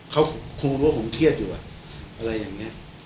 เขาคงรู้ว่าผมเทียดอยู่อ่ะอันไหนอย่างเงี้ย